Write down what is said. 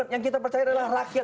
yang kita percaya adalah rakyat